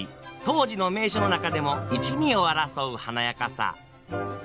当時の名所の中でも一二を争う華やかさ。